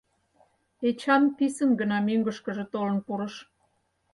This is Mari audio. Эчан писын гына мӧҥгышкыжӧ толын пурыш.